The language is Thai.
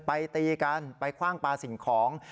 ตีกันไปคว่างปลาสิ่งของ